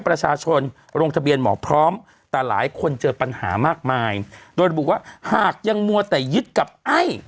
ประชาชนลงทะเบียนหมอพร้อมแต่หลายคนเจอปัญหามากมายโดยระบุว่าหากยังมัวแต่ยึดกับไอ้